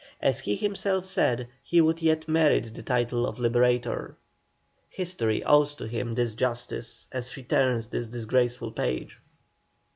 As he himself said, he would yet merit the title of Liberator. History owes to him this justice as she turns this disgraceful page.